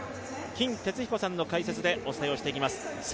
金哲彦さんの解説でお伝えしていきます。